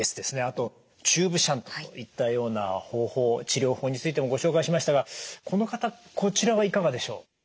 あとチューブシャントといったような方法治療法についてもご紹介しましたがこの方治療はいかがでしょう？